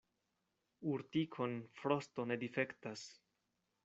Urtikon frosto ne difektas.